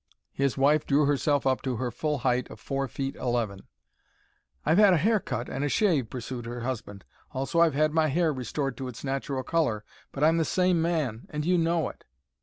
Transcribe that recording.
His wife drew herself up to her full height of four feet eleven. "I've had a hair cut and a shave," pursued her husband; "also I've had my hair restored to its natural colour. But I'm the same man, and you know it."